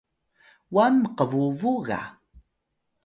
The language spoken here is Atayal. wan mqbubu ga?